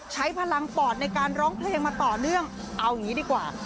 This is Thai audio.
ใช้พลังปอดในการร้องเพลงมาต่อเนื่องเอาอย่างนี้ดีกว่า